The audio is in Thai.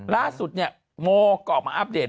ล่าสุดเนี่ยโมก็ออกมาอัปเดต